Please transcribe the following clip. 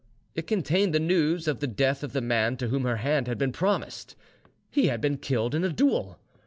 It contained the news of the death of the man to whom her hand had been promised: he had been killed in a duel.